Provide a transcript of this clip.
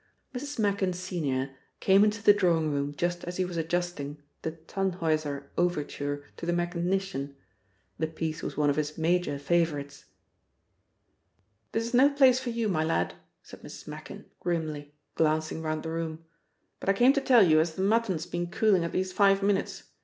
Mrs. Machin, senior, came into the drawing room just as he was adjusting the "Tannhäuser" overture to the mechanician. The piece was one of his major favourites. "This is no place for you, my lad," said Mrs. Machin grimly, glancing round the room. "But I came to tell ye as th' mutton's been cooling at least five minutes.